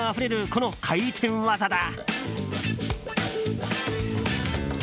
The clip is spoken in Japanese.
この回転技だ。